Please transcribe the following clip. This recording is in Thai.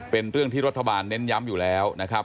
เป็นเรื่องที่รัฐบาลเน้นย้ำอยู่แล้วนะครับ